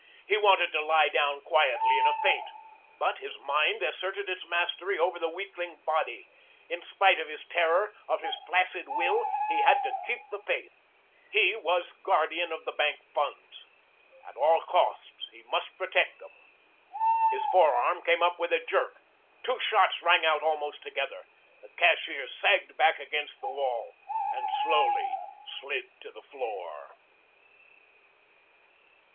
He wanted to lie down quietly in a faint. But his mind asserted its mastery over the weakling body. In spite of his terror, of his flaccid will, he had to keep the faith. He was guardian of the bank funds. At all costs he must protect them. His forearm came up with a jerk. Two shots rang out almost together. The cashier sagged back against the wall and slowly slid to the floor.